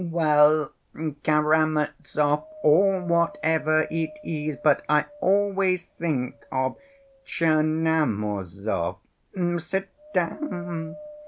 "Well, Karamazov, or whatever it is, but I always think of Tchernomazov.... Sit down.